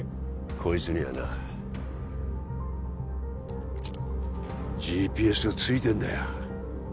こいつにはなＧＰＳがついてんだよ